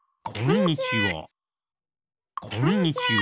こんにちは！